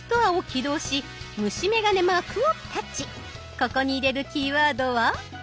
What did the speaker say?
ここに入れるキーワードは。